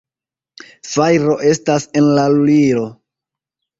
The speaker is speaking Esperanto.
Fajro estas en la lulilo!